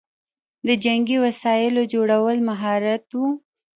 د جنګي وسایلو جوړول مهارت و